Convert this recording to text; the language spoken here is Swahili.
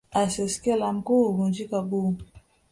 Asiyekia la Mkuu Huvunyika Guu